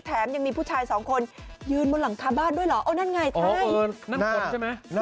แถมยังมีผู้ชาย๒คนยืนบนหลังคาบ้านด้วยหรอโอ้นั่นไงใช่